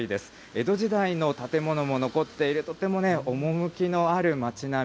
江戸時代の建物も残っている、とても趣のある町並み。